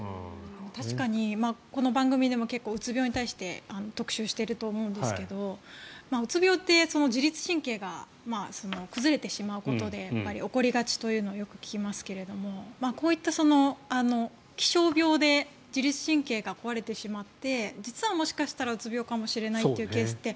確かに、この番組でも結構うつ病に対して特集していると思うんですけどうつ病って自律神経が崩れてしまうことで起こりがちというのをよく聞きますけれどこういった気象病で自律神経が壊れてしまって実はもしかしたらうつ病かもしれないというケースって